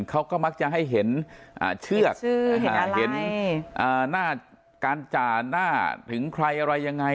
เขาก็มักจะให้เห็นอ่าเชือกเห็นชื่อเห็นอะไรอ่าอะหน้าการจ่านหน้าถึงใครอะไรยังไง